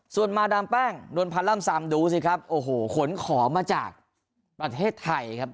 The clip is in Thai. ส่วนมาดามแป้งนวลพันธ์ล่ำซำดูสิครับโอ้โหขนของมาจากประเทศไทยครับ